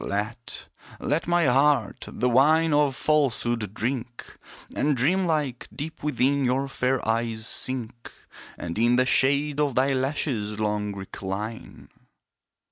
Let let my heart, the wine of falsehood drink, And dream like, deep within your fair eyes sink, And in the shade of thy lashes long recline!